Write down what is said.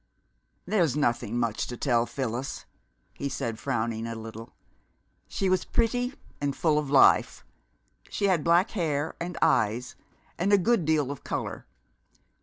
"There's nothing much to tell, Phyllis," he said, frowning a little. "She was pretty and full of life. She had black hair and eyes and a good deal of color.